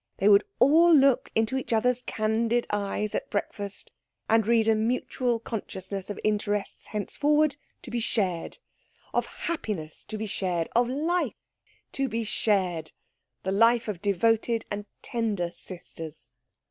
They would all look into each others' candid eyes at breakfast, and read a mutual consciousness of interests henceforward to be shared, of happiness to be shared, of life to be shared, the life of devoted and tender sisters.